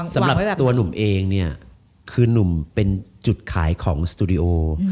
สำหรับตัวหนุ่มเองเนี่ยคือนุ่มเป็นจุดขายของสตูดิโอ